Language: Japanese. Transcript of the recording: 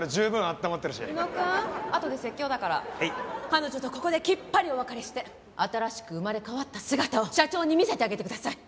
彼女とここできっぱりお別れして新しく生まれ変わった姿を社長に見せてあげてください。